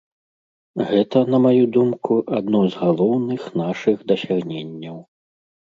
Гэта, на маю думку, адно з галоўных нашых дасягненняў.